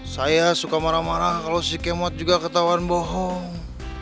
saya suka marah marah kalau si kemot juga ketahuan bohong